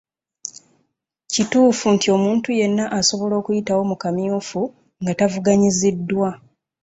Kituufu nti omuntu yenna asobola okuyitawo mu kamyufu nga tavuganyiziddwa